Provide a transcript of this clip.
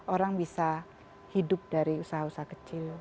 orang bisa hidup dari usaha usaha kecil